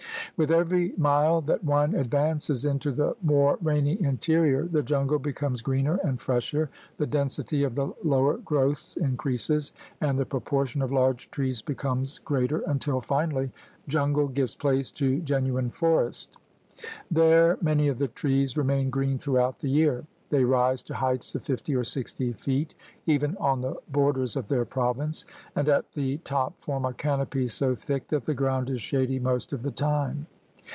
With every mile that one advances into the more rainy interior, the jungle becomes greener and fresher, the density of the lower growths increases, and the proportion of large trees becomes greater until finally jungle gives place to genuine forest. There many of the trees remain green throughout the year. They rise to heights of fifty or sixty feet even on the borders of their province, and at the top form a canopy so thick that the ground is shady most of the time.